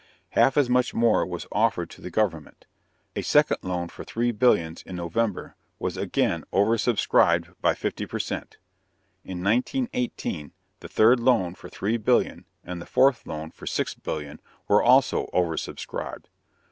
Half as much more was offered to the government. A second loan for three billions in November was again oversubscribed by fifty per cent. In 1918 the third loan for three billion, and the fourth loan, for six billion, were also oversubscribed.